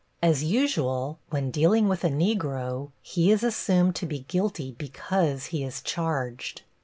As usual, when dealing with a negro, he is assumed to be guilty because he is charged.